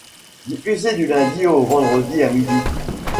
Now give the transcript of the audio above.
Diffusée du lundi au vendredi à midi.